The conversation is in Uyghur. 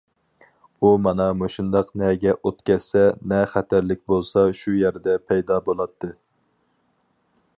ئۇ مانا مۇشۇنداق نەگە ئوت كەتسە، نە خەتەرلىك بولسا شۇ يەردە پەيدا بولاتتى.